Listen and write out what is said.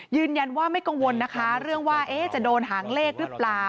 ยืนยันว่าไม่กังวลนะคะเรื่องว่าจะโดนหางเลขหรือเปล่า